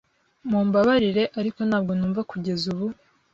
Mumbabarire, ariko ntabwo numva kugeza ubu.